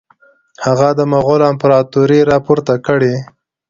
هغه د مغولو امپراطوري را پورته کړي.